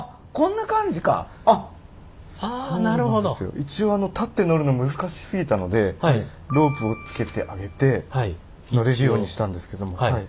一応立って乗るの難しすぎたのでロープをつけてあげて乗れるようにしたんですけども。